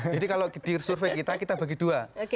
jadi kalau di survei kita kita bagi dua